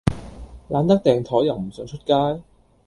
懶得訂枱又唔想出街?